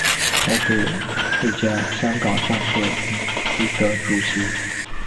他是四家香港上市公司的主席。